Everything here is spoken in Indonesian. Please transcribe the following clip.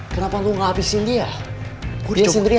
kenapa lo gak habisin dia